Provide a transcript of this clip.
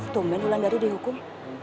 sumbil luulan dari dihukum